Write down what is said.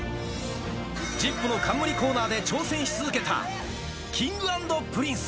ＺＩＰ！の冠コーナーで挑戦し続けた、Ｋｉｎｇ＆Ｐｒｉｎｃｅ。